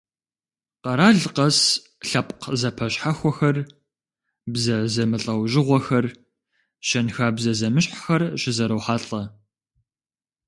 Къэрал къэс лъэпкъ зэпэщхьэхуэхэр, бзэ зэмылӏэужьыгъуэхэр, щэнхабзэ зэмыщхьхэр щызэрохьэлӏэ.